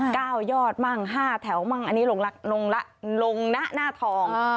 ยอดมั่งห้าแถวมั่งอันนี้ลงละลงละลงนะหน้าทอง